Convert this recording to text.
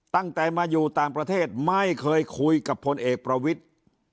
ตั้งแต่มาอยู่ต่างประเทศไม่เคยคุยกับพลเอกประวิทธิ์